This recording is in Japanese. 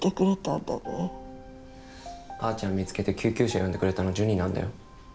見つけて救急車呼んでくれたのジュニなんだよ。